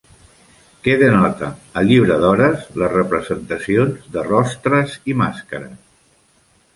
Què denota al Llibre d'hores les representacions de rostres i màscares?